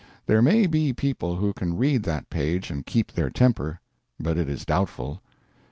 There may be people who can read that page and keep their temper, but it is doubtful.